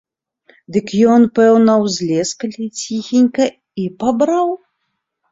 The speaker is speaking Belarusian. Дык ён, пэўна, узлез калі ціхенька і пабраў.